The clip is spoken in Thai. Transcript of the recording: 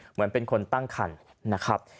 เหมือนเป็นคนตั้งคันนะครับ